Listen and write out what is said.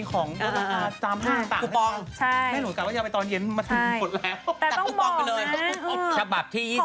ก็ไม่นะ